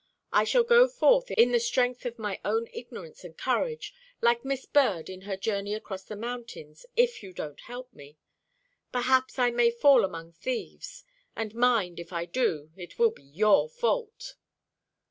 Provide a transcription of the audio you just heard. I shall go forth in the strength of my own ignorance and courage, like Miss Bird in her journey across the mountains, if you don't help me. Perhaps I may fall among thieves: and mind, if I do, it will be your fault."